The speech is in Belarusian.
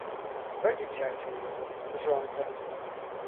Два дзіцяці ў яго, жонка.